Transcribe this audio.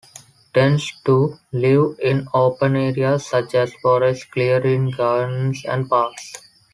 Tends to live in open areas such as forest clearings, gardens and parks.